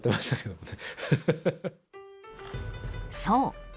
［そう。